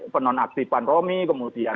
penonaktifan romi kemudian